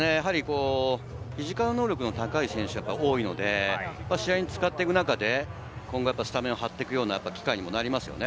フィジカル能力の高い選手が多いので試合に使っていく中で、スタメンを張っていくような機会にもなりますよね。